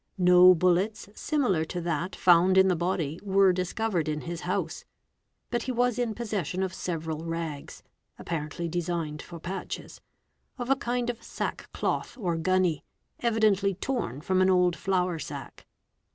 No bullets similar to that found in the body were discovered in his house; but he was in possession of several rags (apparently designed for patches) of a kind of sackloth or gunny, evidently torn from an old flour sack.